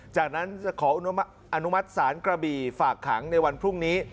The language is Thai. จากนั้นจะขออนุมัติศาลกระบี่ฝากขังในวันพรุ่งนี้